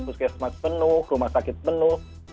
puskesmas penuh rumah sakit penuh